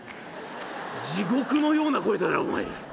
「地獄のような声だなお前。